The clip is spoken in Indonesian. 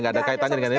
tidak ada soal ini